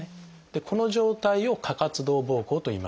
この状態を「過活動ぼうこう」といいます。